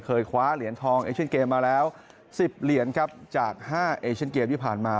คว้าเหรียญทองเอเชียนเกมมาแล้ว๑๐เหรียญครับจาก๕เอเชียนเกมที่ผ่านมา